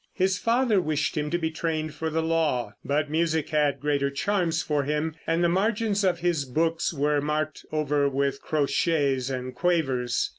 His father wished him to be trained for the law, but music had greater charms for him, and the margins of his books were marked over with crotchets and quavers.